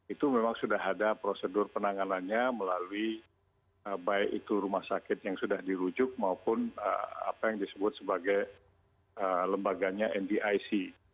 itu memang sudah ada prosedur penanganannya melalui baik itu rumah sakit yang sudah dirujuk maupun apa yang disebut sebagai lembaganya ndic